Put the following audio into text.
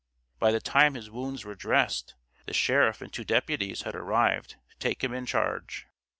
By the time his wounds were dressed, the sheriff and two deputies had arrived to take him in charge.